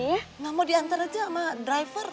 nggak mau diantar aja sama driver